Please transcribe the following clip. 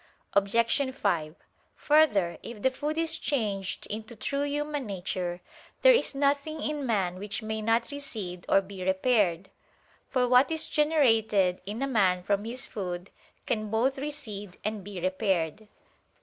Obj. 5: Further, if the food is changed into true human nature, there is nothing in man which may not recede or be repaired: for what is generated in a man from his food can both recede and be repaired.